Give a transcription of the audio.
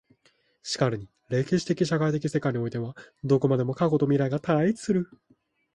然るに歴史的社会的世界においてはどこまでも過去と未来とが対立する。